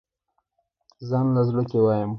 ځانله زړۀ کښې وايم